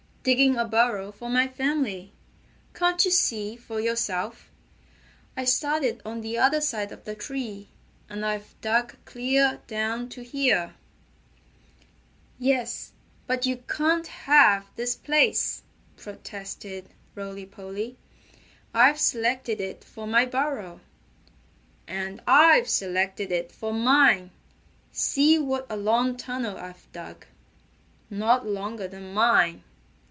"Digging a burrow for my family. Can't you see for yourself? I started on the other side of the tree, and I've dug clear down to here." "Yes, but you can't have this place," protested Rolly Polly. "I've selected it for my burrow." "And I've selected it for mine. See what a long tunnel I've dug." "Not longer than mine."